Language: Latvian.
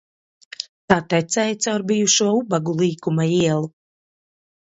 Tā tecēja caur bijušo Ubagu līkuma ielu.